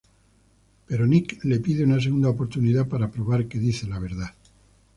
Pero Nick le pide una segunda oportunidad para probar que dice la verdad.